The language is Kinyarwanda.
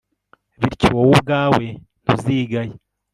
bityo wowe ubwawe ntuzigaya